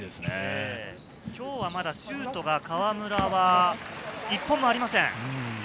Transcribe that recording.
今日はまだシュートが河村は一本もありません。